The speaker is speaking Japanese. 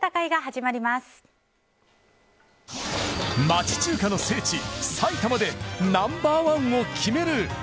町中華の聖地、埼玉でナンバー１を決める